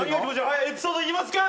はいエピソードいきますか？